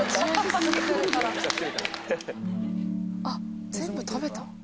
あっ全部食べた。